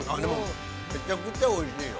◆めちゃくちゃおいしいよ。